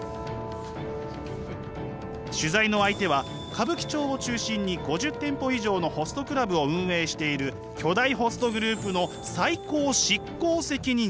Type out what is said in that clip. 取材の相手は歌舞伎町を中心に５０店舗以上のホストクラブを運営している巨大ホストグループの最高執行責任者。